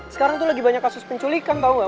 sekarang tuh lagi banyak kasus penculikan tau gak